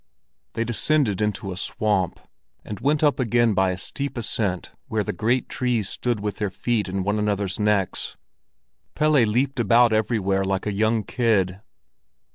They descended into a swamp, and went up again by a steep ascent where the great trees stood with their feet in one another's necks. Pelle leaped about everywhere like a young kid.